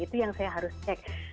itu yang saya harus cek